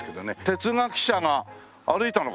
哲学者が歩いたのかしら？